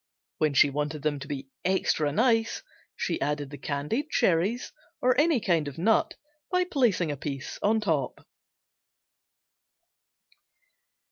When she wanted them to be extra nice she added the candied cherries or any kind of nut by placing a piece on top.